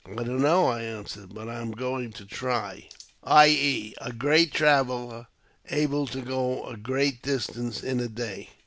" I don't know," I answered, " but I am going to try. But * I.e., a great traveller ; able to go a great distance in a day.